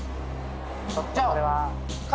ちょっとそれは。